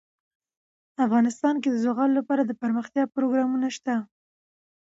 افغانستان کې د زغال لپاره دپرمختیا پروګرامونه شته.